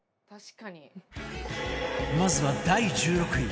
まずは第１６位